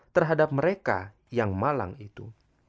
terhadap mereka yang malang itu